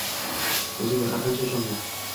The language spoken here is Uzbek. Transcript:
Oʻzingga har qancha ishonma